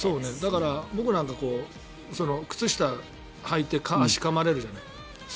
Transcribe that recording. だから、僕なんか靴下はいて足をかまれるじゃない。